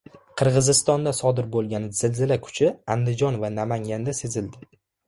Qirg‘izistonda sodir bo‘lgan zilzila kuchi Andijon va Namanganda sezildi